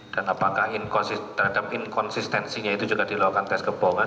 dan apakah terhadap inkonsistensinya itu juga dilakukan tes kebohongan